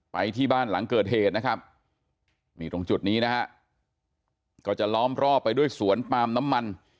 ไปที่บ้านหลังเกิดเหตุนะครับนี่ตรงจุดนี้นะฮะก็จะล้อมรอบไปด้วยสวนปาล์มน้ำมัน